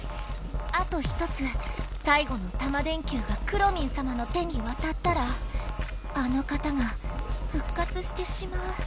あと１つ最後のタマ電Ｑがくろミンさまの手にわたったらあの方がふっ活してしまう。